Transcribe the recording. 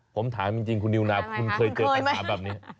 ผมถามจริงคุณนิวนาวคุณเคยเจอปัญหาแบบนี้